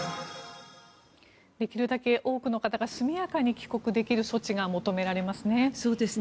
できるだけ多くの方が速やかに帰国できる措置が求められますね。